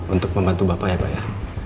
untuk membantu bapak ya pak ya